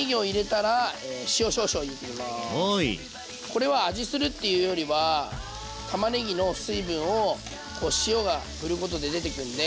これは味するっていうよりはたまねぎの水分を塩がふることで出てくんで。